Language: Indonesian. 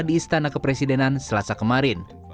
di istana kepresidenan selasa kemarin